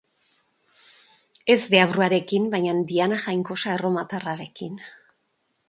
Ez deabruarekin, bainan Diana jainkosa erromatarrarekin.